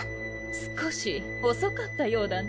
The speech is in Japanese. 少し遅かったようだね。